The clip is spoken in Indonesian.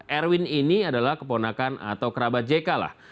erwin ini adalah keponakan atau kerabat jk lah